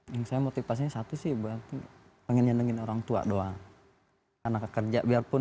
yang saya motivasinya satu sih pengen nyandangin orang tua doang